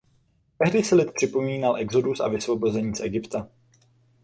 Tehdy si lid připomínal exodus a vysvobození z Egypta.